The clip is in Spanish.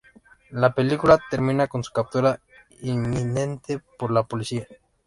La película termina con su captura inminente por la policía.